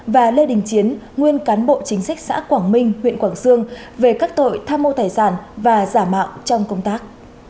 và lê đình chiến nguyên cán bộ chính sách xã quảng minh huyện quảng sương về các tội tham mô tài sản và giả mạo trong công tác